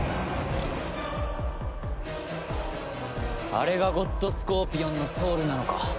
あれがゴッドスコーピオンのソウルなのか。